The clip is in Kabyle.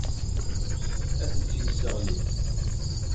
Ad tent-yesseɣli.